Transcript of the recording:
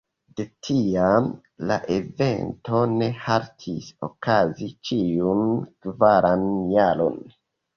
De tiam, la evento ne haltis okazi ĉiun kvaran jaron.